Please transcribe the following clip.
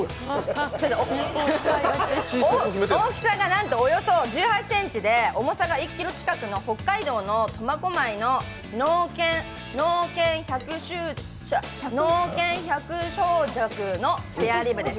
大きさがなんとおよそ１８ｃｍで重さが１ｋｇ近くの北海道の苫小牧の農研百姓塾のスペアリブです。